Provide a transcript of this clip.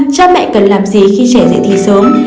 cha mẹ cần làm gì khi trẻ dạy thi sớm